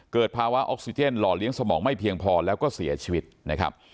เกิดภาวะออกซิเจนหล่อเลี้ยงสมองไม่เพียงพอแล้วก็เสียชีวิตนะครับ